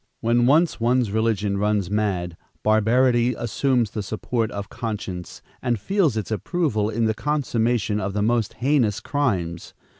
When once one's religion runs mad, barbarity assumes the support of conscience and feels its approval in the consummation of the most heinous crimes.